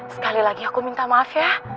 sekali lagi aku minta maaf ya